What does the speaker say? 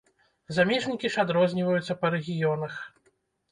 Замежнікі ж адрозніваюцца па рэгіёнах.